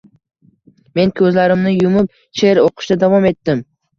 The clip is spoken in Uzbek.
Men ko`zlarimni yumib she`r o`qishda davom etdim